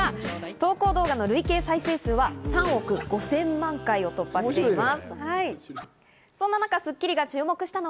投稿動画の累計再生数は３億５０００万回を突破しています。